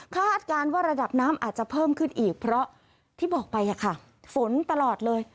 การว่าระดับน้ำอาจจะเพิ่มขึ้นอีกเพราะที่บอกไปฝนตลอดเลย